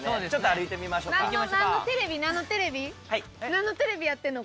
なんのテレビやってんの？